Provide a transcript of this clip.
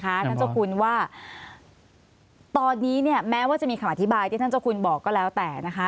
ท่านเจ้าคุณว่าตอนนี้เนี่ยแม้ว่าจะมีคำอธิบายที่ท่านเจ้าคุณบอกก็แล้วแต่นะคะ